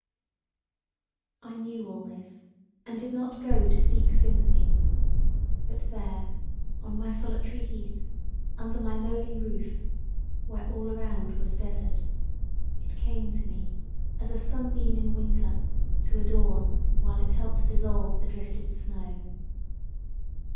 I knew all this and did not go to seek sympathy; but there on my solitary heath, under my lowly roof where all around was desart, it came to me as a sun beam in winter to adorn while it helps to dissolve the drifted snow.